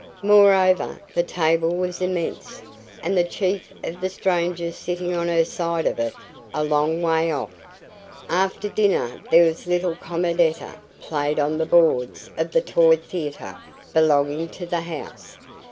Moreover, the table was immense, and the chief of the strangers sitting on her side of it, a long way off. After dinner there was little comedietta played on the boards of the toy theatre belonging to the house.